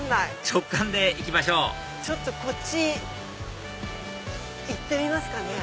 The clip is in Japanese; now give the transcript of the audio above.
直感で行きましょうこっち行ってみますかね。